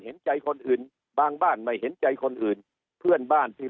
เห็นใจคนอื่นบางบ้านไม่เห็นใจคนอื่นเพื่อนบ้านที่